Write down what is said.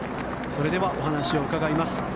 それではお話を伺います。